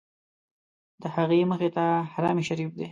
د هغې مخې ته حرم شریف دی.